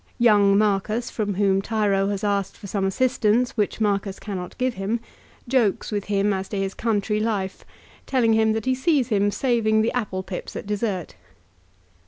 Young Marcus, from whom Tiro has asked for some assistance which Marcus cannot give him, jokes with him as to his country life, telling him that he sees him saving the apple pips at dessert.